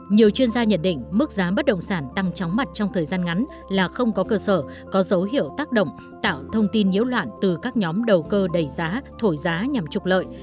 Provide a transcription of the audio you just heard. nhiều chuyên gia nhận định mức giá bất động sản tăng chóng mặt trong thời gian ngắn là không có cơ sở có dấu hiệu tác động tạo thông tin nhiễu loạn từ các nhóm đầu cơ đầy giá thổi giá nhằm trục lợi